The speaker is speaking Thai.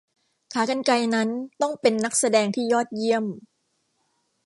ขากรรไกรนั้นต้องเป็นนักแสดงที่ยอดเยี่ยม